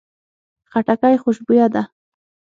خټکی خوشبویه ده.